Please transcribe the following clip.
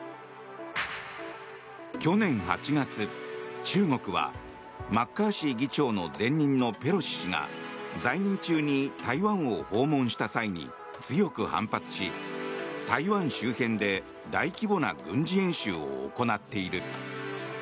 去年８月、中国はマッカーシー議長の前任のペロシ氏が在任中に台湾を訪問した際に強く反発し台湾周辺で大規模な軍事演習を行っている。